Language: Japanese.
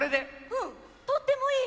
うんとってもいい！